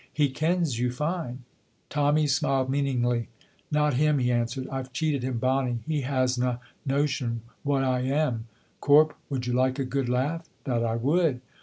He kens you fine." Tommy smiled meaningly. "Not him," he answered, "I've cheated him bonny, he hasna a notion wha I am. Corp, would you like a good laugh?" "That I would."